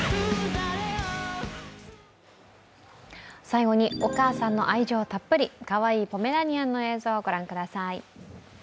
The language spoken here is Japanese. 最後に、お母さんの愛情たっぷりかわいいポメラニアンの映像をご覧ください。